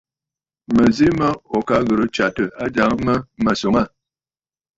La mə̀ zi mə ò ka ghɨ̀rə tsyàtə ajàŋə mə mə̀ swòŋə aà.